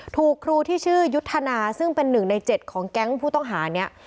ครูที่ชื่อยุทธนาซึ่งเป็นหนึ่งใน๗ของแก๊งผู้ต้องหาเนี่ย